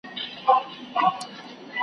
څو کتابونه ولیکل